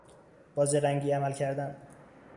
با زرنگی عمل کردن